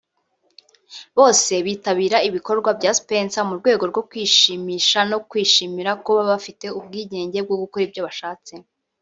Bose bitabira ibikorwa bya Spencer mu rwego rwo kwishimisha no kwishimira kuba bafite ubwigenge bwo gukora ibyo bashatse